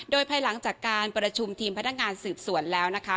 โดยภายหลังจากการประชุมทีมพนักงานสืบสวนแล้วนะคะ